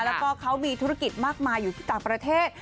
แล้วก็เขามีธุรกิจมากมายอยู่ที่ต่างประเทศ